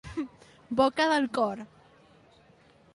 Boca del cor.